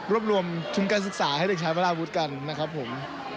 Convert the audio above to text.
รวมทุนการศึกษาให้เด็กชายวราวุฒิกันนะครับผม